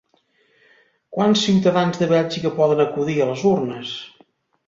Quants ciutadans de Bèlgica poden acudir a les urnes?